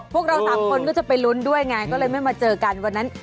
พวกเราสามคนก็จะไปลุ้นด้วยไงก็เลยไม่มาเจอกันวันนั้น